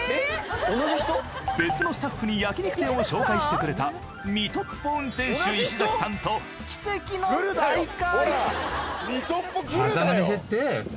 別のスタッフに焼肉店を紹介してくれた水戸っぽ運転手石さんと奇跡の再会。